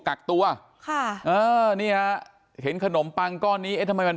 กักตัวค่ะเออนี่ฮะเห็นขนมปังก้อนนี้เอ๊ะทำไมมัน